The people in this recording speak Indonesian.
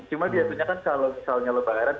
cuma biasanya kan kalau misalnya lebaran